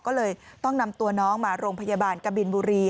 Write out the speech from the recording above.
ก็เลยต้องนำตัวน้องมาโรงพยาบาลกบินบุรี